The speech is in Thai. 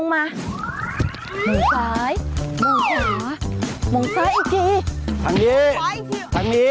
มองซ้ายมองขวามองซ้ายอีกกี่